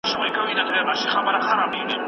ګرګین په پایتخت کې خپل پخوانی نفوذ له لاسه ورکړی و.